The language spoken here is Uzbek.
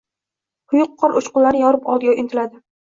Quyuq qor uchqunlarini yorib oldga intiladi.